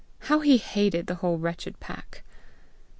How he hated the whole wretched pack!